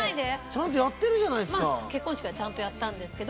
ちゃんとやってるじゃないですか。